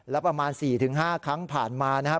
แล้วประมาณสี่ถึงห้าครั้งผ่านมานะครับ